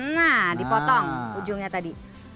nah dipotong ujungnya tadi